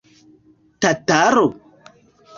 Tataro?